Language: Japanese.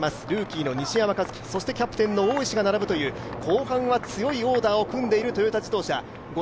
ルーキーの西山和弥、キャプテンの大石が並ぶという、後半は強いオーダーを組んでいるトヨタ自動車。